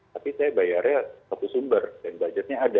tapi saya bayarnya satu sumber dan budgetnya ada